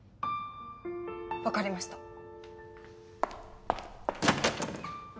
わかりました。